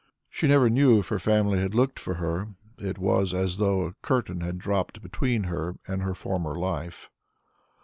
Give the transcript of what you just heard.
She never knew if her family had looked for her; it was as though a curtain had dropped between her and her former life.